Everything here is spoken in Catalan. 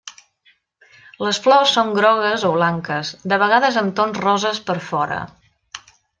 Les flors són grogues o blanques, de vegades amb tons roses per fora.